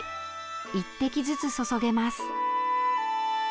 １滴ずつ注げます。